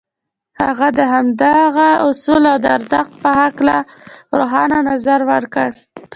هغه د همدغه اصل د ارزښت په هکله روښانه نظر ورکړ.